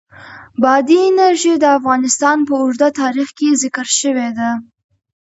بادي انرژي د افغانستان په اوږده تاریخ کې ذکر شوې ده.